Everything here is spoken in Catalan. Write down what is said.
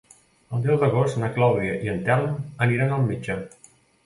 El deu d'agost na Clàudia i en Telm aniran al metge.